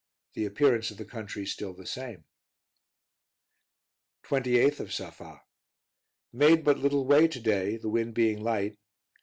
The appearance of the country still the same. 28th of Safa. Made but little way today, the wind being light.